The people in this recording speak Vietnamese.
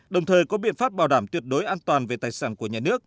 đồng thời có biện pháp bảo đảm tuyệt đối an toàn về tài sản của nhà nước